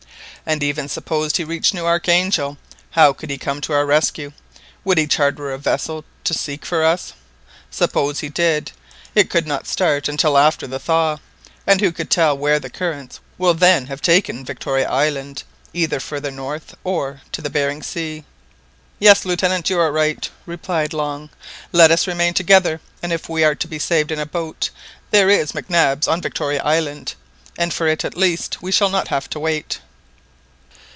And even suppose he reached New Archangel, how could he come to our rescue? Would he charter a vessel to seek for us? Suppose he did, it could not start until after the thaw. And who can tell where the currents will then have taken Victoria Island, either yet farther north or to the Behring Sea! "Yes, Lieutenant, you are right," replied Long; "let us remain together, and if we are to be saved in a boat, there is Mac Nab's on Victoria Island, and for it at least we shall not have to wait!"